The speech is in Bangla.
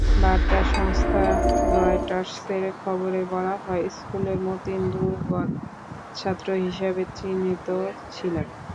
বার্তা সংস্থা রয়টার্সের খবরে বলা হয়, স্কুলে মতিন দুর্বল ছাত্র হিসেবে চিহ্নিত ছিলেন।